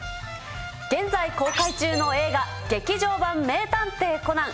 現在、公開中の映画、劇場版名探偵コナン。